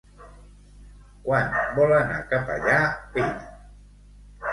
Quan vol anar cap allà ell?